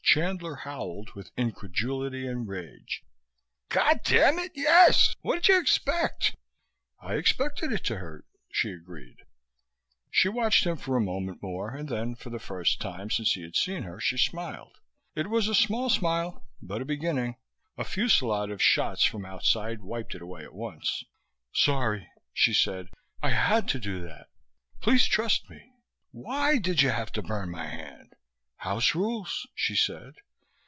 Chandler howled, with incredulity and rage: "God damn it, yes! What did you expect?" "I expected it to hurt," she agreed. She watched him for a moment more and then, for the first time since he had seen her, she smiled. It was a small smile, but a beginning. A fusillade of shots from outside wiped it away at once. "Sorry," she said. "I had to do that. Please trust me." "Why did you have to burn my hand?" "House rules," she said.